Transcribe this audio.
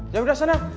jangan udah sana